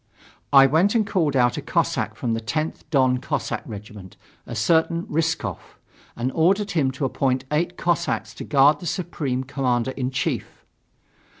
I went and called out a Cossack from the 10th Don Cossack regiment, a certain Rysskov, and ordered him to appoint eight Cossacks to guard the Supreme Commander in Chief.